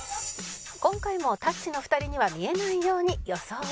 今回もたっちの２人には見えないように予想